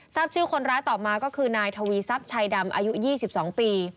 ทราบชื่อคนร้ายต่อมาก็คือนายทวีทรัพย์ชัยดำอายุ๒๒ปี